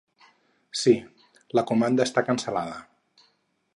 Sí, la comanda està cancel·lada.